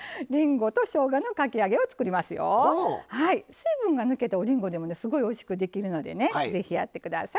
水分が抜けたおりんごでもねすごいおいしくできるのでね是非やって下さい。